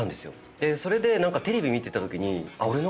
それでテレビ見てたときに。